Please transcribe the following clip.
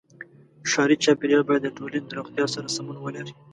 ښاري چاپېریال باید د ټولنې د روغتیا سره سمون ولري.